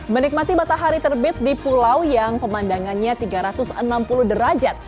menikmati matahari terbit di pulau yang pemandangannya tiga ratus enam puluh derajat